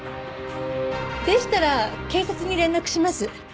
でしたら警察に連絡します。